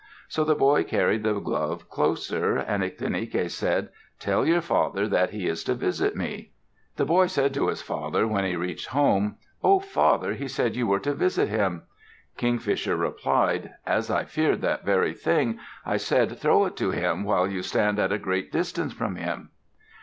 So the boy carried the glove closer. And Ictinike said, "Tell your father that he is to visit me." The boy said to his father, when he reached home, "Oh, father, he said you were to visit him." Kingfisher replied, "As I feared that very thing, I said 'Throw it to him while you stand at a great distance from him.'"